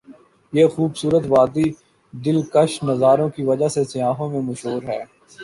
یہ خو بصورت وادی ا دل کش نظاروں کی وجہ سے سیاحوں میں مشہور ہے ۔